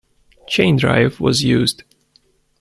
Chain drive was used.